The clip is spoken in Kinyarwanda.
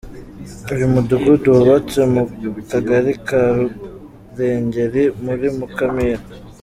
Uyu mudugudu wubatse mu kagari ka Rurengeri muri Mukamira.